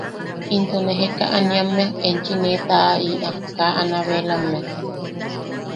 Into ne Jeka Aniamme enchi ne ta’a’i’a kaa Anabelammea.